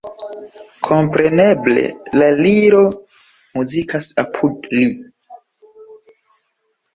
Kompreneble la Liro muzikas apud li.